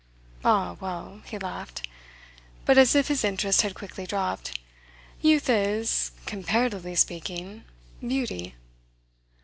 "Ah, well," he laughed, but as if his interest had quickly dropped, "youth is comparatively speaking beauty."